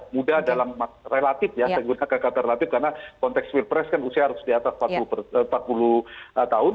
muda dalam relatif ya saya gunakan kata relatif karena konteks pilpres kan usia harus di atas empat puluh tahun